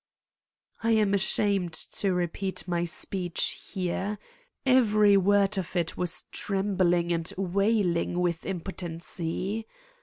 I am ashamed to repeat my speech here. Every word of it was trembling and wailing with impo tency.